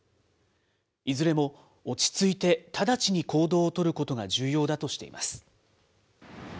いずれも落ち着いて、直ちに行動を取ることが重要だとしています。